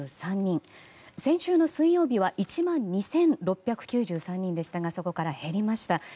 先週の水曜日は１万２６９３人でしたがそこから減りました。